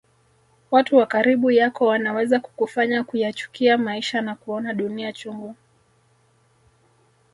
Watu wa karibu yako wanaweza kukufanya kuyachukia maisha na kuona dunia chungu